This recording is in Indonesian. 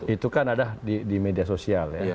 itu kan ada di media sosial ya